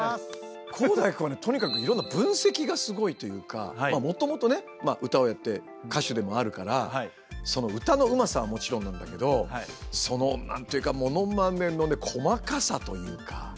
航大君はねとにかくいろんな分析がすごいというかもともとね歌をやって歌手でもあるから歌のうまさはもちろんなんだけどその何というかモノマネのね細かさというか。